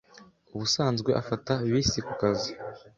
Ubusanzwe afata bisi kukazi.